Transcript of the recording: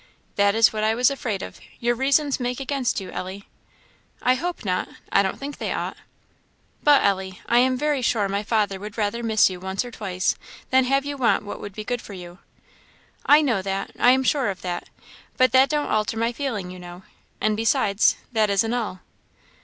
"That is what I was afraid of! Your reasons make against you, Ellie." "I hope not; I don't think they ought." "But, Ellie, I am very sure my father would rather miss you once or twice than have you want what would be good for you." "I know that! I am sure of that; but that don't alter my feeling, you know. And besides, that isn't all."